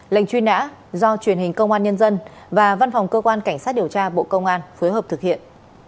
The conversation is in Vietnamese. lệnh truy nã do truyền hình công an nhân dân và văn phòng cơ quan cảnh sát điều tra bộ công an phối hợp thực hiện